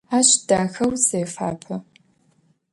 Ащ дахэу зефапэ.